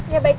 ya baik pak